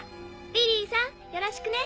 リリーさんよろしくね。